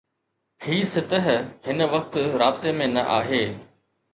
هي سطح هن وقت رابطي ۾ نه آهي